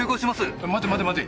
いや待て待て待て。